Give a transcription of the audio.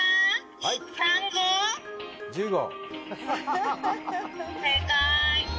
１５。